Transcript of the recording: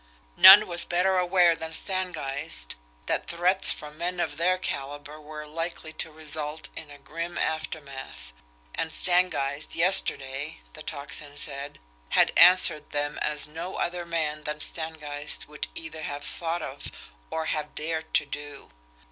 None was better aware than Stangeist that threats from men of their calibre were likely to result in a grim aftermath and Stangeist, yesterday, the Tocsin said, had answered them as no other man than Stangeist would either have thought of or have dared to do.